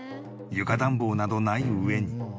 床暖房などない上に。